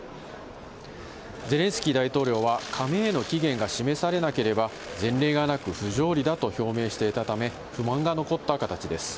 ゼレンスキー大統領は、加盟への期限が示されなければ、前例がなく不条理だと表明していたため、不満が残った形です。